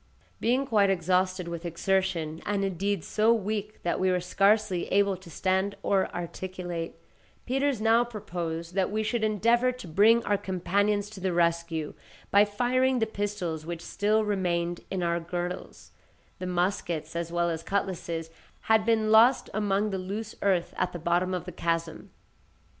Being quite exhausted with exertion, and indeed, so weak that we were scarcely able to stand or articulate, Peters now proposed that we should endeavour to bring our companions to the rescue by firing the pistols which still remained in our girdles—the muskets as well as cutlasses had been lost among the loose earth at the bottom of the chasm.